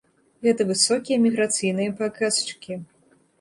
Гэта высокія міграцыйныя паказчыкі.